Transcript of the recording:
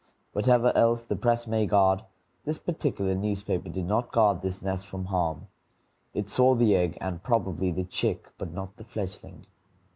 Whatever else the press may guard, this particular newspaper did not guard this nest from harm. It saw the egg and probably the chick, but not the fledgeling.